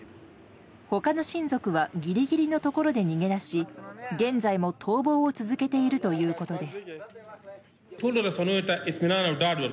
他の親族はギリギリのところで逃げ出し現在も逃亡を続けているということです。